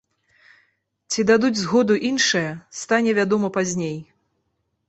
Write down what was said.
Ці дадуць згоду іншыя, стане вядома пазней.